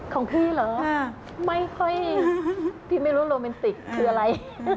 ของพี่เหรอไม่ค่อยพี่ไม่รู้โรแมนติกคืออะไร